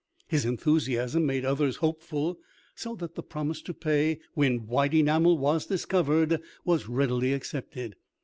His enthusiasm made others hopeful; so that the promise to pay when white enamel was discovered was readily accepted.